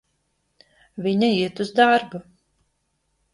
Viņa iet uz darbu.